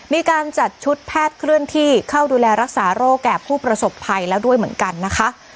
มีการจัดชุดแพทย์เคลื่อนที่เข้าดูแลรักษาโรคแก่ผู้ประสบภัยแล้วด้วยเหมือนกันนะคะ